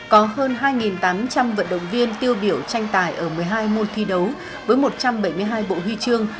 có hơn hai tám trăm linh vận động viên tiêu biểu tranh tài ở một mươi hai môi thi đấu với một trăm bảy mươi hai bộ huy chương